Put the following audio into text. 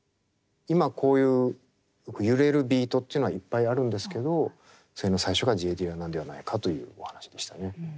今こういう揺れるビートというのはいっぱいあるんですけどそれの最初がＪ・ディラなんではないかというお話でしたね。